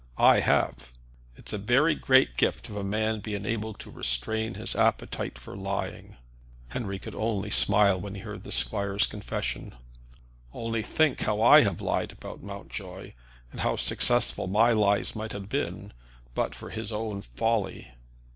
I have. It's a very great gift if a man be enabled to restrain his appetite for lying." Harry could only smile when he heard the squire's confession. "Only think how I have lied about Mountjoy; and how successful my lies might have been, but for his own folly!"